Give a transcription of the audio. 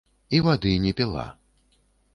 І вады не піла.